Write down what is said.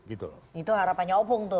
itu harapannya o pung tuh